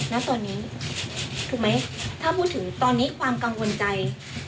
ณตอนนี้ถูกไหมถ้าพูดถึงตอนนี้ความกังวลใจ